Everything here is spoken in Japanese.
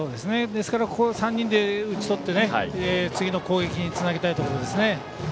ですから、ここは３人で打ち取って、次の攻撃につなげたいところですね。